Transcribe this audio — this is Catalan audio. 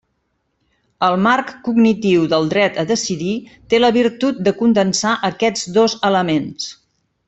El marc cognitiu del dret a decidir té la virtut de condensar aquests dos elements.